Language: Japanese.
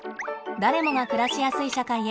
誰もが暮らしやすい社会へ。